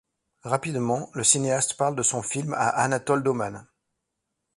Rapidement, le cinéaste parle de son film à Anatole Dauman.